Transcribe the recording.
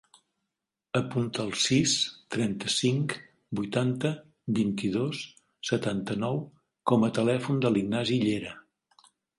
Apunta el sis, trenta-cinc, vuitanta, vint-i-dos, setanta-nou com a telèfon de l'Ignasi Llera.